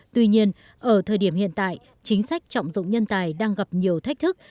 tuy nhiên ở thời điểm hiện tại chính sách trọng dụng nhân tài đang gặp nhiều thách thức